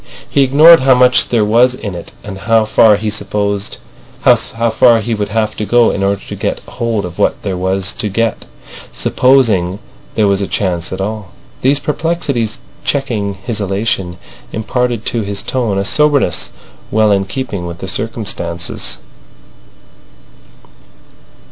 He ignored how much there was in it and how far he would have to go in order to get hold of what there was to get—supposing there was a chance at all. These perplexities checking his elation imparted to his tone a soberness well in keeping with the circumstances.